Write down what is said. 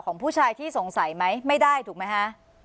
ของผู้ชายที่สงสัยไหมไม่ได้ถูกไหมคะ